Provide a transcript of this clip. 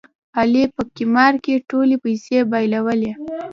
علي په قمار کې ټولې پیسې بایلولې.